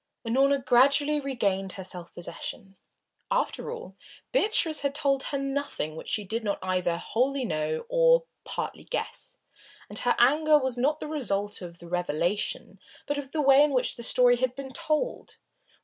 Unorna gradually regained her self possession. After all, Beatrice had told her nothing which she did not either wholly know or partly guess, and her anger was not the result of the revelation but of the way in which the story had been told.